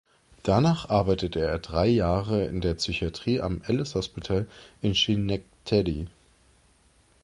Danach arbeitete er drei Jahre in der Psychiatrie am "Ellis Hospital" in Schenectady.